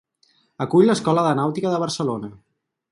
Acull l'Escola de Nàutica de Barcelona.